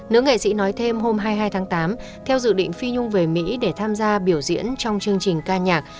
nữ nghệ sĩ nói thêm hôm hai mươi hai tháng tám theo dự định phi nhung về mỹ để tham gia biểu diễn trong chương trình ca nhạc